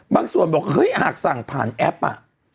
บางส่วนอาจสั่งผ่านแอปอ่ะ